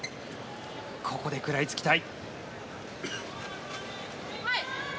ここで食らいつきたい。